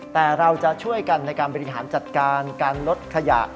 แต่เราจะช่วยกันในการบริหารจัดการการลดขยะ